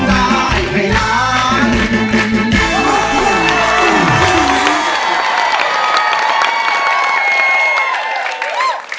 ได้ครับ